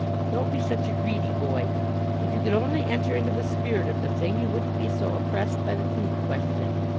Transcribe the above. Don't be such a greedy boy. If you could only enter into the spirit of the thing, you wouldn't be so oppressed by the food question.